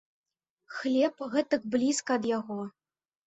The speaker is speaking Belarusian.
Хлеб, гэтак блізка ад яго!